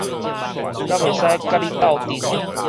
敢會使佮你鬥陣